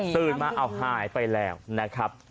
ตื่นมาเอาหายไปแล้วนะครับ